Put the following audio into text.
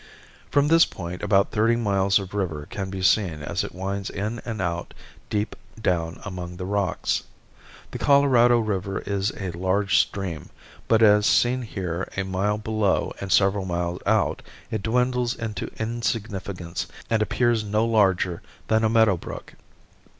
From this point about thirty miles of river can be seen as it winds in and out deep down among the rocks. The Colorado river is a large stream, but as seen here a mile below and several miles out, it dwindles into insignificance and appears no larger than a meadow brook.